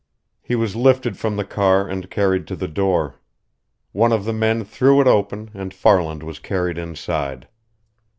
He was lifted from the car and carried to the door. One of the men threw it open, and Farland was carried inside.